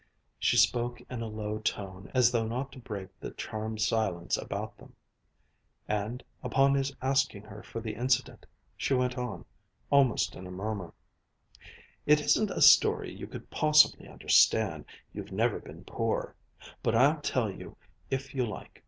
She spoke in a low tone as though not to break the charmed silence about them, and, upon his asking her for the incident, she went on, almost in a murmur: "It isn't a story you could possibly understand. You've never been poor. But I'll tell you if you like.